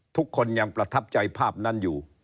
ทุกคนยังประทับใจภาพนั้นอยู่